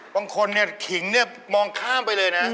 บางคนขิงมองข้ามไปเลยนะ